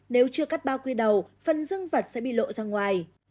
nếu chưa cắt bao quy đầu phần dương vật sẽ bị lộ ra ngoài